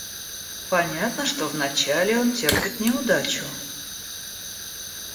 Понятно, что вначале он терпит неудачу.